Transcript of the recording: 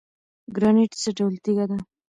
ګرانیټ څه ډول تیږه ده؟